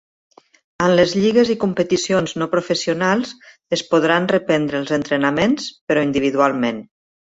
En les lligues i competicions no professionals, es podran reprendre els entrenaments, però individualment.